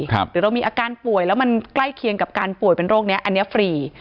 หรือเรามีอาการป่วยแล้วมันใกล้เคียงกับการป่วยเป็นโรคนี้อันนี้ฟรี